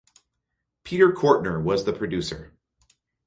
Peter Kortner was the producer.